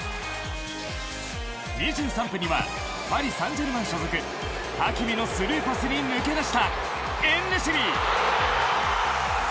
２３分にはパリ・サンジェルマン所属ハキミのスルーパスに抜け出したエンネシリ。